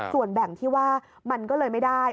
ส่วนแบ่งที่ว่ามันก็เลยไม่ได้